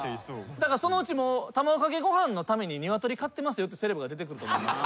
そのうち卵かけご飯のために鶏飼ってますよってセレブが出てくると思います。